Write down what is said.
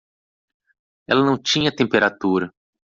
Ela não tinha temperatura.